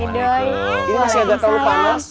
ini masih agak terlalu panas